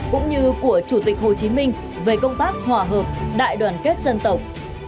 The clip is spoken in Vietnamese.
cũng như của chủ tịch hồ chí minh về công tác hòa hợp đại đoàn kết dân tộc